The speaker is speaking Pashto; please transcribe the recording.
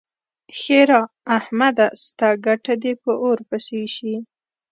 ښېرار: احمده! ستا ګټه دې په اور پسې شي.